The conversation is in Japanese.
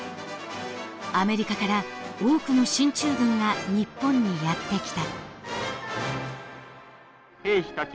アメリカから多くの進駐軍が日本にやって来た。